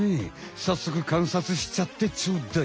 さっそくかんさつしちゃってちょうだい！